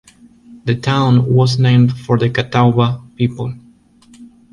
The town was named for the Catawba people.